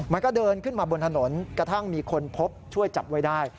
มันก็เดินขึ้นมาบนถนนกระทั่งมีคนพบช่วยจับไว้ได้